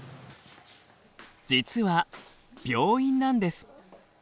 実は病院なんです。